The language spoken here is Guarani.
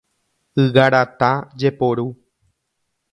Ygarata jeporu.